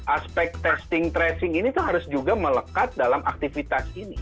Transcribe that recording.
aspek testing tracing ini tuh harus juga melekat dalam aktivitas ini